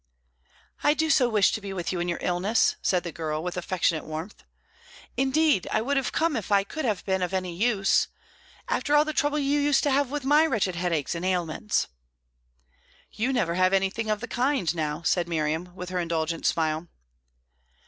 "I did so wish to be with you in your illness!" said the girl, with affectionate warmth. "Indeed, I would have come if I could have been of any use. After all the trouble you used to have with my wretched headaches and ailments " "You never have anything of the kind now," said Miriam, with her indulgent smile.